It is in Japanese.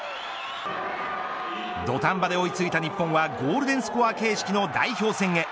土壇場で追いついた日本はゴールデンスコア形式の代表戦へ。